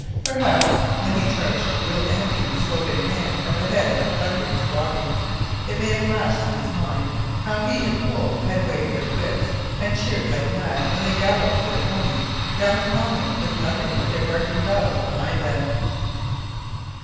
Perhaps when he charged a real enemy, sword in hand, at the head of thundering squadrons, it may have flashed through his mind how he and Wolfe had waved their whips and cheered like mad when they galloped their ponies down the common with nothing but their barking dogs behind them.